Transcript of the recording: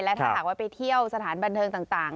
ถ้าหากว่าไปเที่ยวสถานบันเทิงต่าง